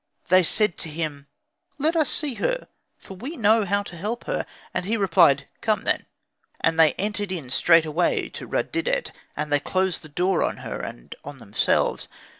They said to him, "Let us see her, for we know how to help her." And he replied, "Come, then." And they entered in straightway to Rud didet, and they closed the door on her and on themselves.